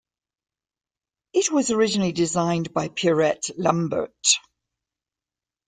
It was originally designed by Pierrette Lambert.